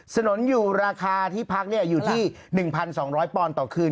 สนุนอยู่ราคาที่พักอยู่ที่๑๒๐๐ปอนด์ต่อคืน